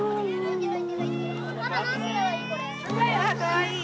かわいい。